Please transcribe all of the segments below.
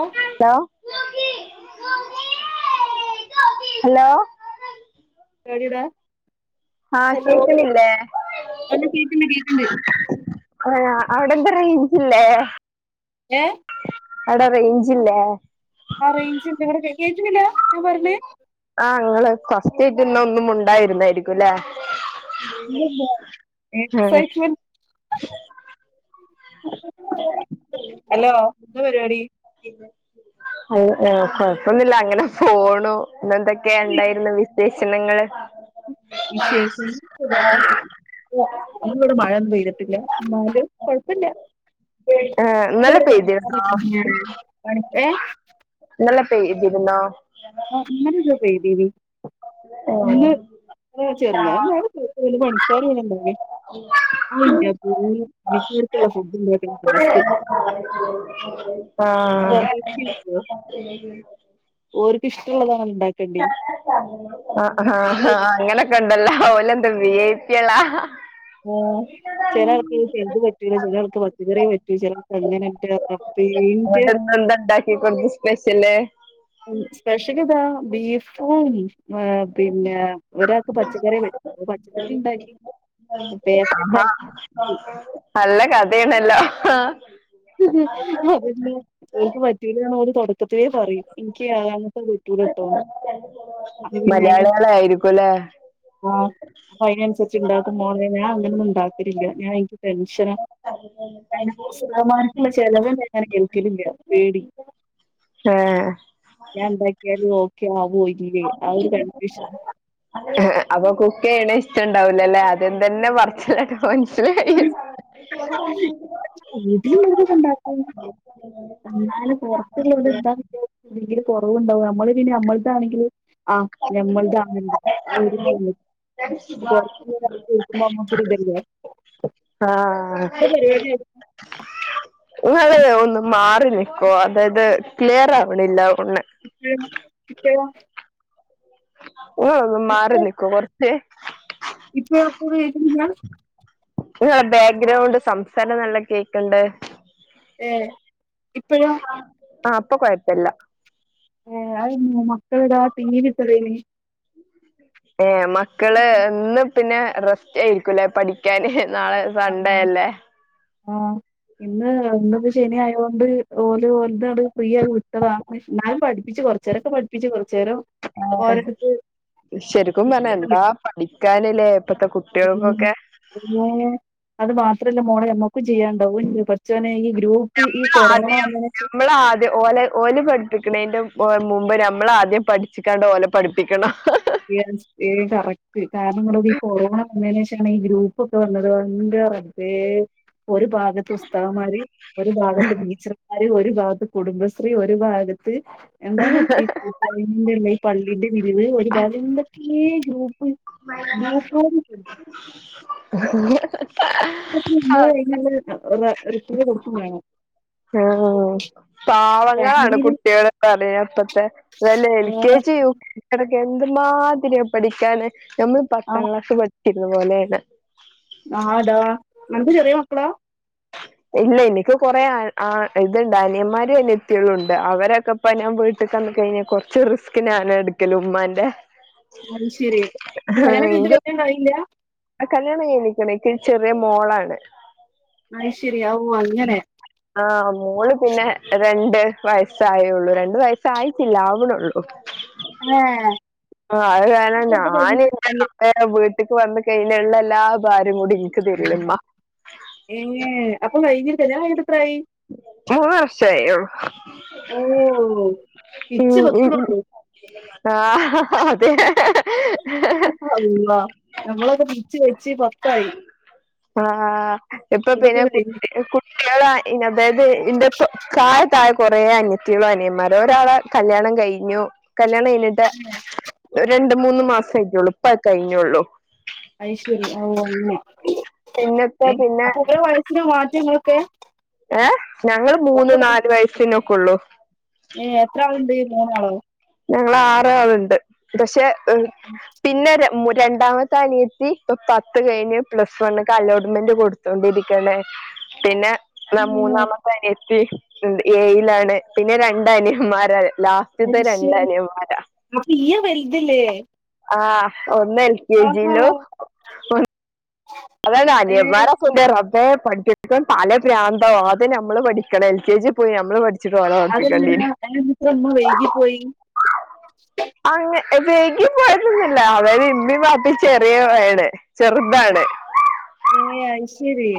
A hello hello [unintelligible] ah hello കേക്ണില്ലേ ആഹ് കേക്ക്ണ്ട് കേക്ക്ണ്ട് അവിടെന്ത റെയ് ഞ്ച് ഇല്ലേ ഏഹ് റേഞ്ച് ഇല്ലേ ആ റേഞ്ച് ഇണ്ട് ഇവിടെ കേക്ണില്ല ഞാൻ പറിണെ ആ ഇങ്ങള് ഫസ്റ്റായിട്ട് ഇന്നാഒന്നും മുണ്ടായിരുന്നായിരിക്കും ല്ലേ ഇല്ല ഇല്ല എക്‌സൈറ്റ്‌മെൻ്റ് എന്താ പരിപാടി കൊഴ്‌പൊന്നുല്ലാ അങ്ങനെ പോണു ഇന്ന് എന്തൊക്കെയ ഉണ്ടായിരുന്ന വിശേ ഷണങ്ങള് വിശേഷം സുഖായിട്ട് ഇരിക്കാ ഇന്ന് ഇവിടെ മഴ ഒന്നും പെയ് തിട്ടില്ല എന്നാലും കൊഴപ്പല്ല ആഹ് ഇന്നലെ പെയ്തിരുന്നോ [unintelligible] ഏഹ് ഇന്നലെ പെയ്തിരുന്നോ ആഹ് ഇന്നലെ [unintelligible] പെയ്തിനി ഇന്ന് ചെറുങ്ങനെ മഴ [unintelligible] [inaudible] പിന്നെ പണിക്കാര് [unintelligible] [inaudible] അയിൻ്റ [unintelligible] [inaudible] അയ്റ്റേക്ക്ള്ള ഫുഡ് ഇണ്ടാക്കണ ടാസ്‌ക് ആഹ് [unintelligible] [inaudible] ഓര് ഇഷ്ടള്ളതാ [unintelligible] ആ ആ ചില ആ അങ്ങനെയൊക്കെ ഉണ്ടല്ലോ ഓലെന്താ വി ഐ പി യേളാ ഉം ചെല ആൾക്ക് [unintelligible] ചെലത് പറ്റൂല ചെല ആൾക്ക് പച്ചക്കറ്യേ പറ്റു ചെല ആൾക്ക് അങ്ങനിന്റെ റബീന്റെ എന്നിട്ട് ഇന്ന് എന്താ ഉണ്ടാക്കി കൊടുത്ത് സ്പെഷ്യല് സ്പെഷ്യൽ ഇതാ ബീഫും ഉം പിന്നെ ഒരാൾക്ക് പച്ചക്കറി [inaudible] പച്ചക്കറി ഇണ്ടാക്കി [inaudible] ആഹാ ഇണ്ടാക്കി ഹാ അത് പിന്നെ എനിക്ക് പ റ്റിതാണ് അവര് തുടക്കത്തിലെ പറയും എനിക്ക് [inaudible] ത്തെ പറ്റൂല്ലട്ടോന്ന് മലയാളികളായിരിക്കൂലെ ആഹ് അപ്പൊ അയിനനുസരിച്ച് ഇണ്ടാക്കും മാണം ഞാൻ അങ്ങനെ ഒന്നും ഉണ്ടാക്കലില്ല ഞാൻ എനിക്ക് ടെൻഷനാ [unintelligible] [unintelligible] ഞാൻ ഇണ്ടാക്കിയര് നോ ക്കാ [unintelligible] പോയിറ്റില്ലേ ആഹ് ഒരു കൺഫ്യൂഷനാ ഏഹ് അപ്പൊ കുക്ക് ചെയ്യ്ണേ ഇഷ്ടണ്ടാവുലലേ ആദ്യം തന്നെ പറ്ച്ചില് കേട്ടപ്പോ മനസ്സിലായി [unintelligible] ഇണ്ടാക്ക എന്നാലും പൊറത്ത [unintelligible] [unintelligible] അപ്പം ഉണ്ടാവും നമ്മള് പിന്നെ നമ്മള താണെങ്കില് ആഹ് [unintelligible] ഞമ്മൾതാങ്ങന [unintelligible] ആതറ കേൾക്കുമ്പോ നമ്മുക്കൊ ഇതെല്ലെ [unintelligible] ആഹ് ഇന്റെ പരിപാട്യ ഇത് ഉം ഒന്ന് മാറ്റ നിക്കോ അതായ അത് ക്ലിയർ ആവ്ണില്ല ഒണ് ഇപ്പഴോ ഓ മാറി ഇപ്പഴോ നിക്കോ കൊറച്ച് ഇപ്പഴോ അപ്പോ കേക്കുന്നില്ല നിങ്ങളുടെ ബാക്ക്ഗ്രൗണ്ട് സംസാരം നല്ല കേക്ക്ണ്ട് ഏഹ് ഇപ്പഴോ ആ ഇപ്പൊ കൊഴപ്പല്ല ഏഹ് അത് മക്കളെടാ ടി വി ഇട്ടതയ്നിം ഏഹ് മക്കള് ഒന്ന് പിന്നെ റെസ്റ്റ് ആയിരിക്കൂല്ലേ പഠിക്കാന് നാളെ സൺഡേയല്ലേ ആഹ് ഇന്ന് ഇന്നിപ്പൊ ശനി ആയോണ്ട് ഓല് ഓൽതണ് ഫ്രീ ആയി വിട്ടത ന്നാലും പഠിപ്പിച്ച് കൊറച്ചേരൊക്കെ പഠിപ്പിച്ച് കൊറച്ചേരം ആ ഓരടുത്ത് ശരിക്കും പറഞ്ഞാ ഇരിക്കുന്നുണ്ട് എന്താ പഠിക്കാനിലേ ഇപ്പത്തെ ഉം കുട്ടികൾക്കൊക്കെ പിന്നെ അത് മാത്രല്ല മോളെ മ്മക്കും ചെയ്യാൻണ്ടാവും ഔ ന്റെ പടച്ചോനെ ഈ [unintelligible] ഈ നമ്മൾ കൊറോണ ആദ്യം വന്നേനേഷം നമ്മളാദ്യം ഓലെ ഓല് പഠിപ്പിക്കണേന്റെ മുമ്പ് നമ്മളാദ്യം പഠിച്ചിക്കാണ്ട് ഓലെ പഠിപ്പിക്കണം ഏ ഏഹ് കറക്റ്റ് കാരണം ഇങ്ങട്ടൊക്ക് ഈ കൊറോണ വന്നേന് ശേഷം ആണീ ഗ്രൂപ്പൊക്കെ വന്നത് ഔ ന്റെ റബ്ബേ ഒരു ഭാഗത്ത് ഉസ്താദ്കമാര് ഒരു ഭാഗത്ത് ടീച്ചർമാര് ഒരു ഭാ കുടുംബശ്രീ ഒരു ഭാഗത്ത്. എന്താണ് ഈന്റെള്ള ഈ പള്ളിന്റെ വിരുവ ഒരുപാ ഏ ജോ [unintelligible] റിഷിന് കുറച്ച് വേണം ആ പാവങ്ങളാണ് ഫാമിലിയിൽ കുട്ടികള് പറയപ്പത്തെ അതല്ല ആ എൽകെജി യുകെഎന്ത് മാതിരിയ പഠിക്കാന് ഞമ്മള് ആ പത്താം ക്ലാസ് പ ഇതു പോലേണ് ആടാ നെൻക്ക് ചെറിയ മക്കളാ ഇല്ല എനിക്ക് കൊറേ ആ ഇത്ണ്ട് അനിയന്മാരും അനിയത്തിയേളുണ്ട് അവരൊക്കെപ്പ ഞാൻ വീട്ട്ന്ന കഴിഞ്ഞാൽ കൊറച്ച് റിസ്ക് ഞാന എടുക്കല് ഉമ്മാന്റെ അത്ശെരി അപ്പൊ വേറെ [unintelligible] കഴിയില്ല ആ കല്യാണം കഴഞ്ഞിക്ക്ണ് ക്ക് ചെറിയ മോളാള്ളെ അയ്ശ്ശെരി അവൂ അങ്ങനെ ആ മോള് പിന്നെ രണ്ട് വയസ്സായേള്ളൂ രണ്ട് വയസ്സായിട്ടില്ല ആവ്ണാെള്ളൂ ആ, ആ അപ്പൊ അല്ല ഇപ്പൊ അടുത്ത് ഞാന് ഇന്റെ കഴിഞ്ഞിട്ട് റബ്ബേ വ് ക്ക് വൾമ്പി കയ്യ്ല്ള്ള എല്ലാ ഭാരം കൂടി എനിക്ക് തരലിമ്മ ഏ അപ്പൊ കൈഞ്ഞി ക്കല്യാണം കയ്ക്ക്ട്ടെ ത്രായി മൂന്ന് വർഷായെള്ളൂ ഓ പിച്ച ഉം ഉം വെക്ക്ണാെള്ളൂ ആ ഹ അള്ളാ ഞമ്മളൊക്കെ പിച്ച വെ ച്ച് പത്തായി ആ എപ്പൊ അതൊക്കെ പിന്നെ കഴിഞ്ഞ് കുട്ടി കു കേളാ ഇന്ന അതായത് ഇന്റെപ്പം ചായ തായെ കൊറേ അനയത്തിയേളും അനിയന്മാരും ഒരാളെ കല്യാണം കയ്ഞ്ഞു കല്യാണംയ്ഞ്ഞിട്ട് രണ്ട് മൂന്ന് മാസ് ള്ളു ഇപ്പാട് കഴിഞ്ഞാെള്ളൂ ഐശ്വര്യ ആ പിന്നത്തെ [unintelligible] പിന്നെ അപ്പൊ ഓരോ വയസ്സിനും മാറ്റങ്ങള് ക്കേ ഏഹ് ഞങ്ങള് മൂന്ന് നാലു വയസ്സിനോ കൊള്ളു. ഏ എത്ര ആളുണ്ട് മൂന്നാളോ ഞങ്ങള് ആറാളുണ്ട്. പക്ഷെ പിന്നെ രണ്ടാമത്തെ അനിയത്തി ഇപ്പൊ പത്ത് കഴിഞ്ഞ് പ്ലസ് വൺ അലോട്ട്മെന്റ് കൊടുത്തൊണ്ടിരിക്കണേ പിന്നെ എന്ന ഏ മൂന്നാമത്തെ അനിയത്തി ഏയിലാണ് പിന്നെ രണ്ടനിയൻമാരാ ലാസ്റ്റ്തേത് അയ്ശരി രണ്ടനിയൻമാരാ അപ്പൊ ഇയ്യ് വലുതില്ലേ ആഹ്. ഒന്ന് എൽ കെ ആഹാ ജിയിലും ഒ അതെ തെ ഏ അനിയൻന്മാരെ കൊണ്ട് റബ്ബേ പഠിപ്പിക്കാൻ പല പ്രാന്താവൂ അത് നമ്മള് പഠിക്കണം എൽ കെ ജി പോയി നമ്മൾ പഠ അത് എന്തിനാ [unintelligible] ഇമ്മ വഴകി പോയി. അങ്ങ് വൈകി [unintelligible] അവര് ഇമ്മയും വാപ്പയും ചെറിയവര് ചെർതാണ് ഏയ് അയ്ശരി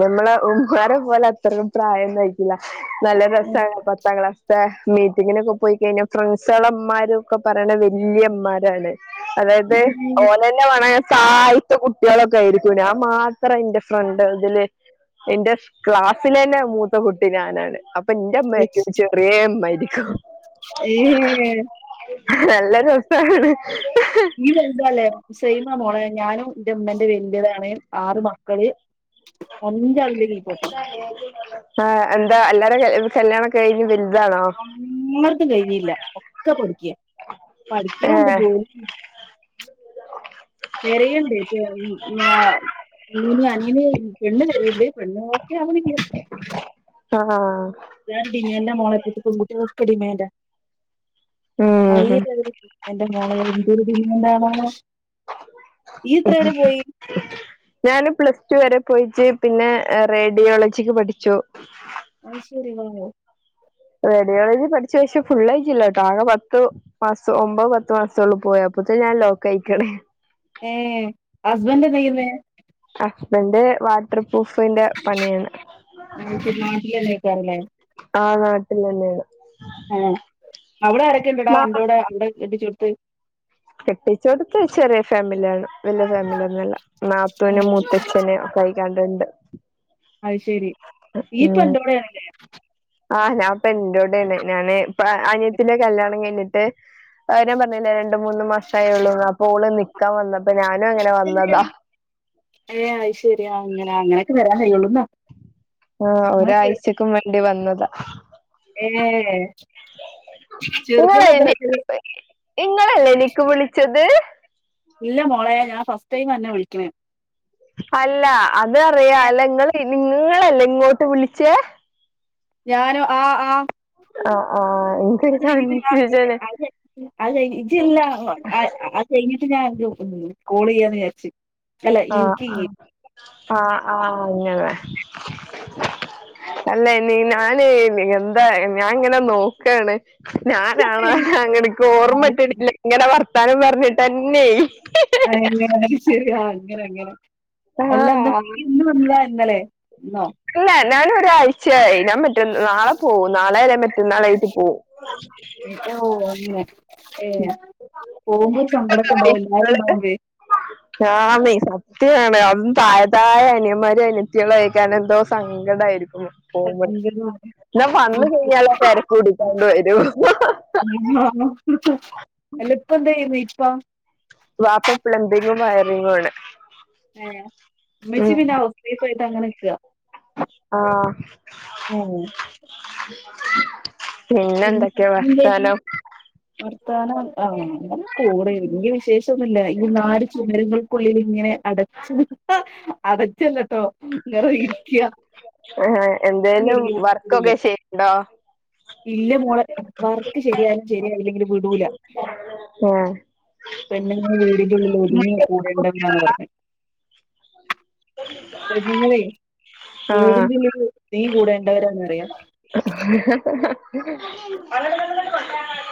ഞമ്മളെ ഉമ്മമാരെ പോലെ അത്രയും പ്രായൊന്നായിട്ടില്ല നല്ല രസാണ് പത്താം ക്ലാസിത്തെ മീറ്റിങ്ങിനൊക്കെ പോയ് കഴിഞ്ഞാ ഫ്രണ്ട്സെളമ്മാരും ഒക്കെ പറണെ വല്ല്യയമ്മാരാണ് അതായത് ഓനന്നെ വേണ സായിത്തെ കു കുട്ട്യേളൊക്കെ ആയിരിക്കും ഞാൻ മാത്രം ഇൻ്റെ ഫ്രണ്ടാണ് തില് എന്റെ ക്ലാസ്സിലെന്നെ മൂത്ത കുട്ടി ഞാനാണ് അപ്പ ന്റെമ്മയ്ക്കും ചെറ്യേ മയ് ഏഹ് നല്ലരസാണ് നീ വലുതാല്ലേ സൈമ മോളേ ഞാനും എന്റെമ്മന്റെ വല്യയതാണ് ആറ് മക്കള് അഞ്ചാള്ന്റെ കീപോട്ട ആഹ് എന്താ എല്ലാര കല്യാണൊക്കെ കഴിഞ്ഞ് വൽ അന്നർതും കഴിഞ്ഞില്ല ഒക്കെ പൊഠിക്ക പഠിക്ക്ണുണ്ട് ഏഹ് ജോലിയും ചെറിയുണ്ട് ഉം വ [unintelligible] മിഞ്ഞ്യ [unintelligible] പെണ്ണ് ചെയറ്ത് പെണ്ണോ രാകുമില്ലെ ആഹ് ഞാൻ പിന്നെ എൻ്റെ മോളെ കൂട്ട് പെൺകുട്ടികൾക്ക് ടിമാൻ്റ അയ് ഉം [unintelligible] എന്റെ മോളെ എന്തൊരു ടിമാൻ്റാണോ ഈ ഇത്ര എടെ പോയി ഞാന് പ്ലസ് ടു വരെ പോയിച്ച് പിന്നെ റേഡിയോളജിക്ക് പഠിച്ചു അഹ് ശരി വവൊ പെഡിയോളജിൽ പഠിച്ച പേഷം ഫുള്ളേജ് ഇല്ല കേട്ടോ ആകെ പത്ത് മാസം ഒമ്പോ പത്ത് മാസ ഉള്ളു പോയപ്പോത്തെേ ഞാൻ ലോക്കയിക്ണേ ഏ ഹസ്ബൻഡ് എന്തയ്യ്ന്നേ എന്റെ വാട്ടർ ഉഫിന്റെ പണിയാണ് യാരൂല്ലേ ആ നാട്ടിൽ തന്നെയാണ് ആ അവടെ ആരക്കണ്ടടാ അന്റോടെ അവിടെ എത്തിച്ചോ തെയ് കെട്ടിച്ചോട്ത്ത് ചെറിയ ഫാമിലിയ ആണ് വല്യ ഫാമിലിഒന്നല്ല ആ, ന്നാത്തൂന് മൂത്തച്ഛന് ഒകൈ ര ണ്ട്ണ്ട് അഹ് ശെരി ഈ പ്പൊ ആന്റോടേണ് ലെ ആഹ് ഞാൻപ്പ ഇന്റോടെണ് ഞാന് പ്പ അനയത്തിന്റെ കല്യാണം കഴിഞ്ഞിട്ട് ആര്യം പറഞ്ഞില്ലേ രണ്ട് മൂന്ന് മാസയെള്ളൂ അപൊ ഓള് നിക്കാൻ വന്നപ്പ ഞാനും അങ്ങനെ വന്നതാ ഏ അത് ശരി ആ അങ്ങനെ അങ്ങനെയൊക്കെ വരാൻ കഴുള്ളൂ ന്നാ ആ ഒരാഴ്ചക്കും വേ ണ്ടി വന്നത ഏ ചെറുപ്പി ഇങ്ങളെന്നെ [unintelligible] ഇങ്ങളല്ലേ എനിക്ക് വിളിച്ചത് ഇല്ല മോളേ ഞാൻ ഫസ്റ്റ് ടൈം അന്നെ വിളിക്ണെ അല്ല അത് അറിയാലങ്ങള് നിങ്ങളല്ലേ ഇങ്ങോട്ട് വിളിച്ചേ ഞാനും ആ ഹ് ആഹ് ആ [unintelligible] കോൾ യ്യാന്ന് വിചാര്ച് ആആ ആ ആ അങ്ങനെ അല്ലേ നി ഞാന് നി എന്താ ഞാൻ ഇങ്ങനെ നോക്കാണ് ഞാനാണോ അങ്ങനിക്ക് ആ, ശരി. ഓർമട്ട്നിൽ ഇങ്ങനെവർ സ്ഥലം പറഞ്ഞിട്ടന്നെയ് അഅന്നെ ശരിയാ അങ്ങനെ അങ്ങനെ എല്ല ന്ന് ആഹ് ഇയ്യ് ഇന്ന് വന്നതാ ഇന്നലെ ന്നോ അല്ല ഞാൻ ഒരാഴ്ചയായി ഞാൻ മറ്റേ നാളെ പോവു നാളെ അല്ലേ മറ്റേ നാളായിട്ട് [unintelligible] ഏ പോവുമ്പോ ഒരു സങ്കടക്കുണ്ടാവും ല്ലേ [unintelligible] ത്യാണ്, അതും താഴെ താഴെ അനിയന്മാരും അനയത്തികളും ആയ കാരണം എന്തോ സങ്കടായിരിക്കും സങ്കടമാണ്. എന്നാ വന്ന് കഴിഞ്ഞാലോ തെരക്ക് പിടിക്കാണ്ടു ആയി അല്ല ഇപ്പോ എന്താ ചെയ്യുന്നീ വ വാപ്പ പ്ലംബിങ്ങും വയറിങ്ങും ആണ് ഏ ഉമ്മച്ചി പിന്നെ ഹൗസ് വൈഫായിട്ട് അങ്ങനെ ക്ക ആ [unintelligible] പിന്നെ എന്തൊക്കെയാ വർത്താനം വർത്താനം, ആ അങ്ങനെ പോണ് വലിയ വിശേഷൊന്നില്ല ഈ നാല് ചുമരങ്ങൾക്കുള്ളിലിങ്ങനെ അടച്ച് അടച്ചല്ലട്ടോ ആ ഈ എന്തേലും എരിയോട്ട് വിടൂല വർക്കൊക്കെ ചെയ്യണ്ടോ? ഇല്ല മോളെ വർക്ക് ശരിയായാലും ശരിയായില്ലെങ്കിലും വിടൂല, ഏഹ് പെണ്ണുങ്ങള് വീടിന്റെ ഉള്ളില് ഒതുങ്ങി കൂടേണ്ടവരാന്നാ പറഞ്ഞ്. പെണ്ണുങ്ങളെ ആഹ് വീടിന്റെ ഉള്ളില് തീ കൂടേണ്ടവരാന്നറിയാ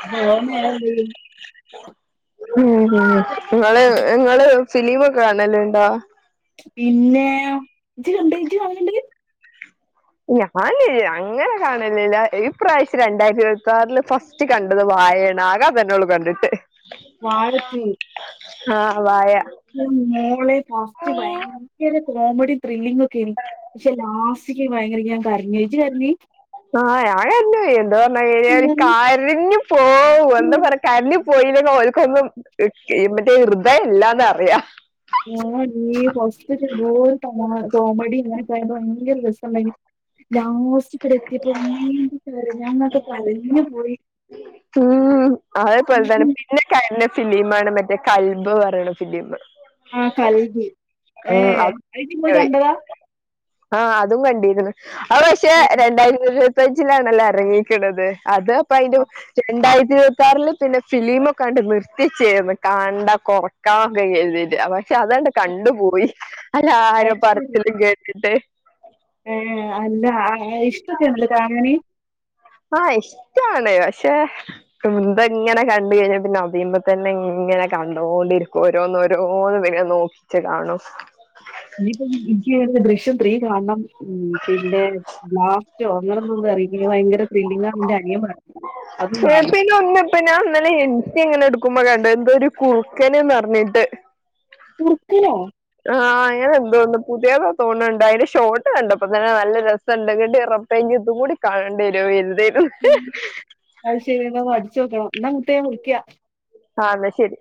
[unintelligible] നേരം പോയി ഇങ്ങള് ഇങ്ങള് ഫിലിം ഒക്കെ കാണലുണ്ടോ. പിന്നെ ഇജ്ജ് കണ്ട് ഇജ്ജ് കാണലിണ്ട് ഞാന് അങ്ങനെ കാണലില്ല, ഈ പ്രാവശ്യം രണ്ടായിരത്തി ഇരുപത്താറില് ഫസ്റ്റ് കണ്ടത് വാഴയാണ്, ആകെ അതന്നൊള്ളൂ കണ്ടിട്ട്. വാഴ ടു ആ വായ മോളെ ഫസ്റ്റ് ഭയങ്കര കോമഡി ത്രില്ലിങ് ഒക്കെ ആണ്, പക്ഷെ ലാസ്റ്റിക്ക് ഭയങ്കര ഞാൻ കരഞ്ഞു ഇജ്ജ് കരഞ്ഞി ആ ഞാൻ കരഞ്ഞുപോയി, എന്താ പറഞ്ഞു കഴിഞ്ഞാ കരഞ്ഞു പോവും എന്താ പറ കരഞ്ഞ് പോയില്ലെങ്ങി ഓര്ക്കൊന്നും മറ്റേ ഹൃദയ ഇല്ലാന്ന് അറിയാം ഞാനീ ഫസ്റ്റ് ഒക്കെ എന്തോ ഒരു കോമഡി ഇതൊക്കയായിട്ട് ഭയങ്കര രസൊണ്ടയിന്. ലാസ്റ്റ് ച്ച് വരെ എത്തിയപ്പൊ നീണ്ട് കരഞ്ഞങ്ങക്ക് കരഞ്ഞു പോയി ഉം അതെപോലെതന്നെ. പിന്നെ കരഞ്ഞു. ഫിലിം ആണ് മറ്റേ കൽബ് പറയണ ഫിലിം ആഹ കൽബ് ഏ അതി [unintelligible] കണ്ടതാ ആഹ അതും കണ്ടി ഇനറ് അവ പക്ഷെ ഏ രണ്ടായിരത്തിരുപത് ഫ്രിഡ്ജിലാണല്ല എറങ്ങിക്കണത് അത് പൈന്റു രണ്ടായിരത്തി ഇരുപത്താറില് പിന്നെ ഫിലിമൊക്കെ കണ്ട്ക്കണ് നിർത്തിച്ചേരുന്നു [unintelligible] പക്ഷെ അതാണ്ട് കണ്ടുപോയി അല്ലാരും അത് ശരി പറച്ചിലും കേട്ടിട്ട് ഏ അല്ല ആഹ് ഇഷ്ടക്കാണല്ലേ കാണാനി ആഹ ഇഷ്ടാണ് പക്ഷെ എന്തെങ്ങനെ കണ്ട് കഴിഞ്ഞ പിന്നെ അതിമ്മേ തന്നെ ഇങ്ങനെ കണ്ടോണ്ടിരിക്കും ഓരോന്നോഓരോന്ന് പിന്നെ നോക്കിച്ചു കാണും [unintelligible] ദൃശ്യം ത്രീ കാണണം ഉ പിന്നെ ബ്ലാസ്റ്റോ അങ്ങനെന്തോ ഒന്നെറങ്ങി ഭയങ്കര ത്രില്ലിങ്ങാ നിന്റെ അനിയൻ പറഞ്ഞ് പിന്നെ പിന്നെ ഒന്ന് ഇപ്പൊ ഞാൻ ഇന്നലെ ഇൻസ്റ്റ ഇങ്ങനെ എടുക്കുമ്പോ കണ്ട് ഒരു കുറുക്കനന്ന്റഞ്ഞിട്ട് ഉർക്കലോ ആഹ് ഞാൻ എന്തോന്ന് പുതിയതാ തോന്നണണ്ട് അതിന് ഷോർട്ട് കണ്ടപ്പൊ തന്നെ നല്ല രസം എണ്ട് ണ്ടെങ്കി ഉറപ്പെങ്കി ഇതും കൂടി കാണണ്ടി വരു വെരുതെ ഉം [unintelligible] ച്ചോക്കണം എന്നാ മുത്തേ ഞാൻ വിളിക്ക ആന്ന ശരി